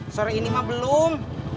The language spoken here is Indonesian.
sore ini mah belum